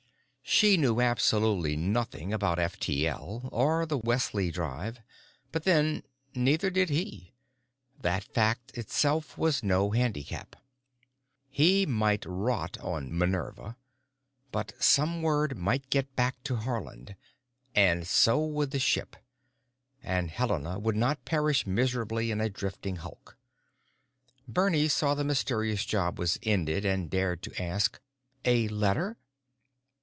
She knew absolutely nothing about F T L or the Wesley drive, but then—neither did he. That fact itself was no handicap. He might rot on "Minerva," but some word might get back to Haarland. And so would the ship. And Helena would not perish miserably in a drifting hulk. Bernie saw the mysterious job was ended and dared to ask, "A letter?"